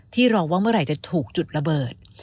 รอว่าเมื่อไหร่จะถูกจุดระเบิด